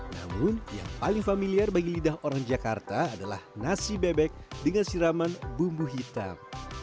namun yang paling familiar bagi lidah orang jakarta adalah nasi bebek dengan siraman bumbu hitam